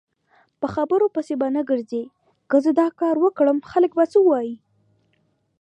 په خبرو پسې به نه ګرځی که زه داکاروکړم خلک به څه وایي؟